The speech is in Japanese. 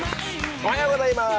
おはようございます。